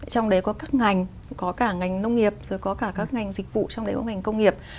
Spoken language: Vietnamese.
trong đấy có các ngành có cả ngành nông nghiệp rồi có cả các ngành dịch vụ trong đấy có ngành công nghiệp